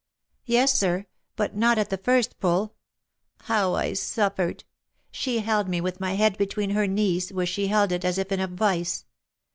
"Yes, sir; but not at the first pull. How I suffered! She held me with my head between her knees, where she held it as if in a vice.